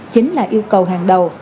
chính là yêu cầu hàng đầu